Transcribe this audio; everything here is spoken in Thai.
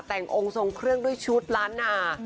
แต่งองค์ทรงเครื่องด้วยชุดล้านนา